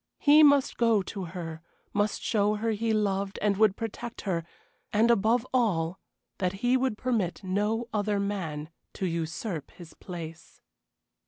He must go to her must show her he loved and would protect her, and, above all, that he would permit no other man to usurp his place.